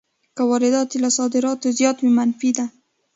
که واردات یې له صادراتو زیات وي منفي ده